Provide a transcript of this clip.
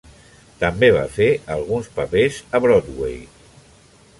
També va fer alguns papers a Broadway.